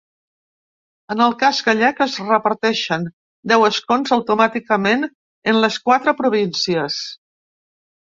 En el cas gallec, es reparteixen deu escons automàticament en les quatre províncies.